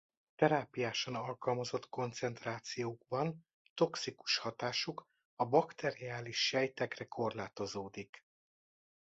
Terápiásan alkalmazott koncentrációkban toxikus hatásuk a bakteriális sejtekre korlátozódik.